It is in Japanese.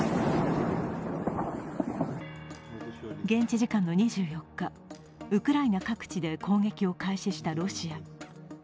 現地時間の２４日、ウクライナ各地で攻撃を開始したロシア。